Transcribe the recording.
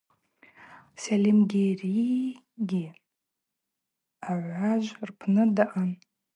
Сальымгьаригьи агӏважв рпны даъан.